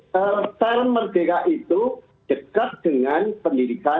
cara merdeka itu dekat dengan pendidikan